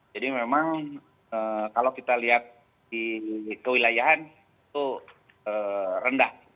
jadi memang kalau kita lihat di kewilayahan itu rendah